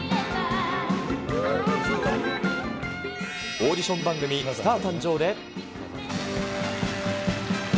オーディション番組、スター誕生！で。